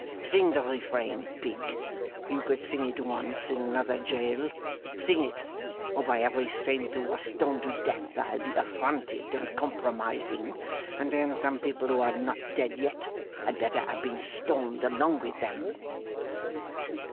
'Sing the Refrain, pig! You could sing it once, in another jail. Sing it! Or, by every Saint who was stoned to death, I'll be affronted and compromising; and then some people who are not dead yet, had better have been stoned along with them!